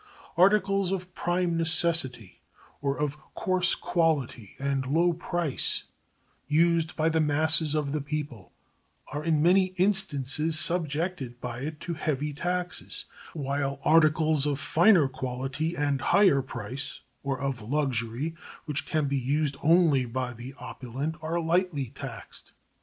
Articles of prime necessity or of coarse quality and low price, used by the masses of the people, are in many instances subjected by it to heavy taxes, while articles of finer quality and higher price, or of luxury, which can be used only by the opulent, are lightly taxed.